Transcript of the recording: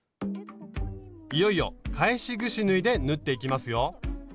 いよいよ返しぐし縫いで縫っていきますよ。